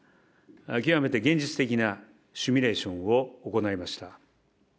極めて現実的なシミュレーションを行いました。